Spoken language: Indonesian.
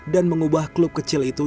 dan mengubah klub kecil itu